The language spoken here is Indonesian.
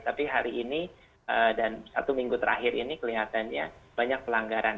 tapi hari ini dan satu minggu terakhir ini kelihatannya banyak pelanggaran